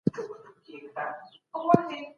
ایا د مغولو تګلاري محلي حاکمانو ته ګټه رسولي؟